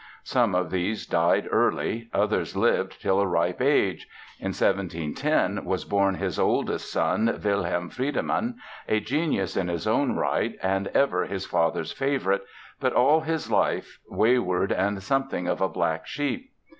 Some of these died early, others lived till a ripe age. In 1710 was born his oldest son, Wilhelm Friedemann, a genius in his own right and ever his father's favorite, but all his life wayward and something of a black sheep.